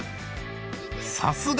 さすが！